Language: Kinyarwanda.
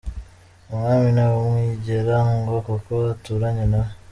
Umwami ntawe umwigera ngo kuko aturanye nawe.